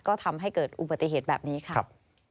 ก็ทำให้เกิดอุบัติเหตุแบบนี้ค่ะ